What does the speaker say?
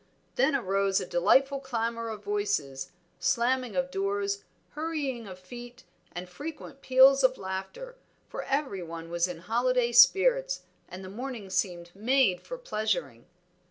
Then arose a delightful clamor of voices, slamming of doors, hurrying of feet and frequent peals of laughter; for every one was in holiday spirits, and the morning seemed made for pleasuring.